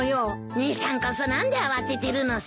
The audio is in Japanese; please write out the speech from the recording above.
姉さんこそ何で慌ててるのさ。